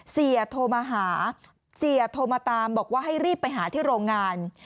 เสียโทรมาหาเสียโทรมาตามบอกว่าให้รีบไปหาที่โรงงาน